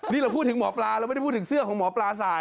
นี่เราพูดถึงหมอปลาเราไม่ได้พูดถึงเสื้อของหมอปลาใส่